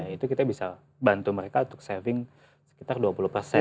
itu kita bisa bantu mereka untuk saving sekitar dua puluh persen